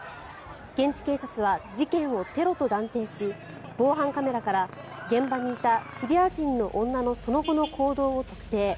現地警察は事件をテロと断定し防犯カメラから現場にいたシリア人の女のその後の行動を特定。